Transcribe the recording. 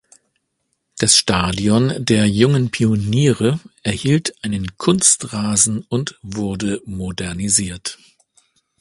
Das Stadion der Jungen Pioniere erhielt einen Kunstrasen und wurde modernisiert.